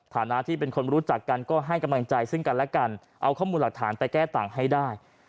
ฐานะที่เป็นคนรู้จักกันก็ให้กำลังใจซึ่งกันและกันเอาข้อมูลหลักฐานไปแก้ต่างให้ได้